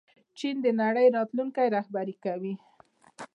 چین د نړۍ راتلونکی رهبري کوي.